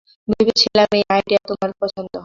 ভেবেছিলাম এই আইডিয়া তোমার পছন্দ হয়নি।